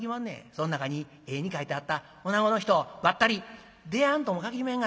そん中に絵に描いてあったおなごの人ばったり出会わんとも限りまへんがな。